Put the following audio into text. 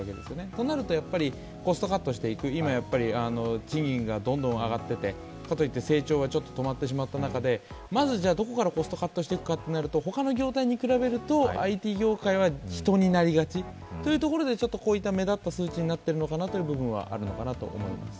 となるとやっぱり、コストカットしていく、今、賃金がどんどん上がっていて、かといって成長はちょっと止まってしまった中で、まずどこからコストカットしていくかとなると、他の業態に比べるとＩＴ業界は人になりがちというところで、ちょっとこういった目立った数値になってるのかなという部分はあるかなと思います。